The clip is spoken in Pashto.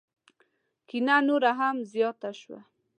کینه نوره هم زیاته شوه.